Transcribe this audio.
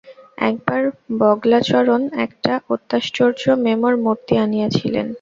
একবার বগলাচরণ একটা অত্যাশ্চর্য মেমের মূর্তি আনিয়াছিলেন।